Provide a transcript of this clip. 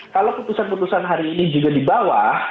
kalau keputusan keputusan hari ini juga di bawah